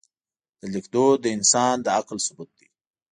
د لیک دود د انسان د عقل ثبوت دی.